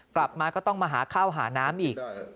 กลับมาก็ต้องมาหาข้าวหาน้ำอีก